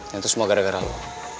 dan itu semua gara gara lu